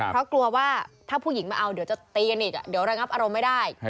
เพราะกลัวว่าถ้าผู้หญิงมาเอาเดี๋ยวจะตีกันอีกเดี๋ยวระงับอารมณ์ไม่ได้